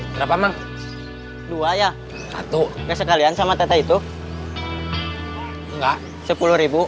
kenapa menggoyang satu sekalian sama teteh itu enggak sepuluh